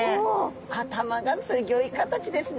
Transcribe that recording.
頭がすギョい形ですね！